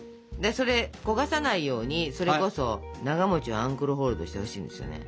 それ焦がさないようにそれこそながをアンクルホールドしてほしいんですよね。